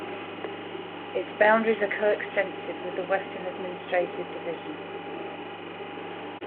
Its boundaries are co-extensive with the Western administrative division.